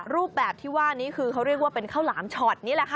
รูปแบบที่ว่านี้คือเขาเรียกว่าเป็นข้าวหลามช็อตนี่แหละค่ะ